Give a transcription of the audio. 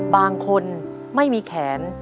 บางคนไม่มีแขน